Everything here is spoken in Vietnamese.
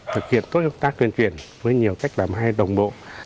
thực hiện tốt hợp tác tuyên truyền với nhiều cách làm hay đồng bộ